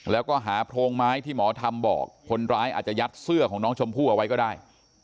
แล้วก็หาโพรงไม้ที่หมอทำบอกคนร้ายอาจจะยัดเสื้อของน้องชมพู่เอาไว้ก็ได้